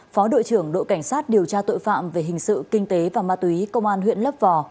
phó đội trưởng đội cảnh sát điều tra tội phạm về hình sự kinh tế và ma túy công an huyện lấp vò